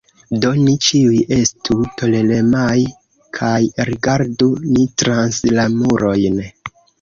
Do ni ĉiuj estu toleremaj kaj rigardu ni trans la murojn!